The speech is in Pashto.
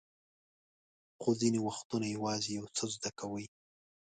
خو ځینې وختونه یوازې یو څه زده کوئ.